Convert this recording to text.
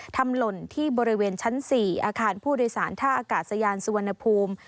หล่นที่บริเวณชั้น๔อาคารผู้โดยสารท่าอากาศยานสุวรรณภูมิ